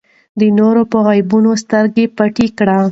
د نورو په عیبونو سترګې پټې کړئ.